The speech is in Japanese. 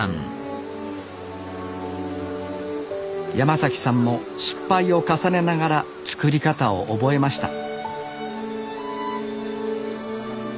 山さんも失敗を重ねながら作り方を覚えました